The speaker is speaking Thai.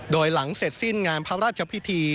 โดยหลังเสร็จสิ้นงานพระราชพิธี